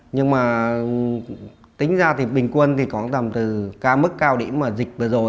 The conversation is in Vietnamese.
nhưng mà tính ra thì bình quân thì có tầm từ ca mức cao điểm mà dịch vừa rồi